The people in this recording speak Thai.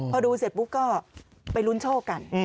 พอดูเสร็จปุ๊บก็ไปลุ้นโชคกัน